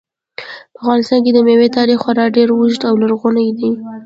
په افغانستان کې د مېوو تاریخ خورا ډېر اوږد او لرغونی دی.